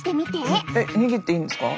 えっ握っていいんですか？